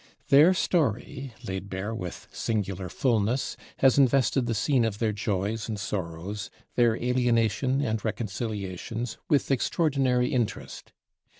Their story, laid bare with singular fullness, has invested the scene of their joys and sorrows, their alienation and reconciliations, with extraordinary interest.